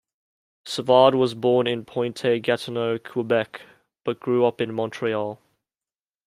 Savard was born in Pointe Gatineau, Quebec, but grew up in Montreal.